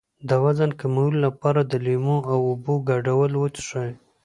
د وزن کمولو لپاره د لیمو او اوبو ګډول وڅښئ